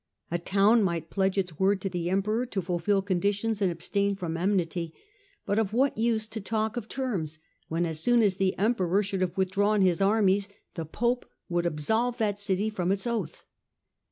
A town might pledge its word to the Emperor to fulfil conditions and abstain from enmity, but of what use to talk of terms when, as soon as the Emperor should have withdrawn his armies, the Pope would absolve that city from its oath